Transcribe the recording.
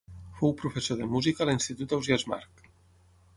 Fou professor de música a l'Institut Ausiàs Marc.